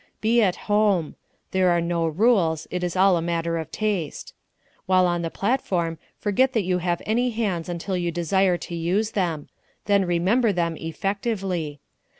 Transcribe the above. Be at home. There are no rules it is all a matter of taste. While on the platform forget that you have any hands until you desire to use them then remember them effectively.